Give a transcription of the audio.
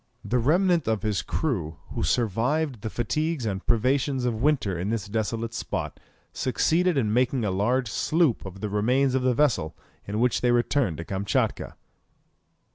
The remnant of his crew who survived the fatigues and privations of winter in this desolate spot, succeeded in making a large sloop of the remains of the vessel, in which they returned to Kamtchatka.